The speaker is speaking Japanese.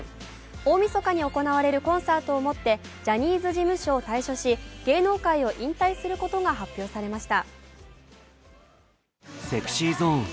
大みそかに行われるコンサートをもってジャニーズ事務所を退所し芸能界を引退することが発表されました。